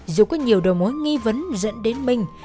dù có nhiều đồ mối nghi vấn dẫn đến minh